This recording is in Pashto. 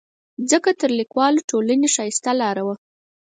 ځکه تر لیکوالو ټولنې ښایسته لاره وه.